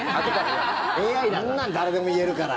そんなん誰でも言えるから。